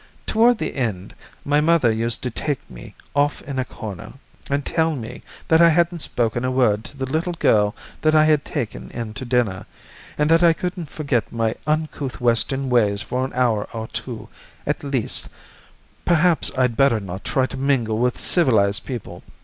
Toward the end my mother used to take me off in a corner and tell me that I hadn't spoken a word to the little girl that I had taken in to dinner, and that if I couldn't forget my uncouth western ways for an hour or two, at least, perhaps I'd better not try to mingle with civilized people.